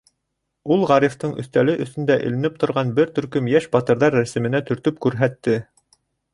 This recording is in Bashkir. Ул Ғарифтың өҫтәле өҫтөндә эленеп торған бер төркөм йәш батырҙар рәсеменә төртөп күрһәтте.